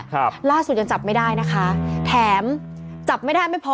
ครับล่าสุดยังจับไม่ได้นะคะแถมจับไม่ได้ไม่พอ